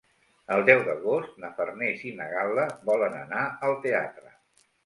El deu d'agost na Farners i na Gal·la volen anar al teatre.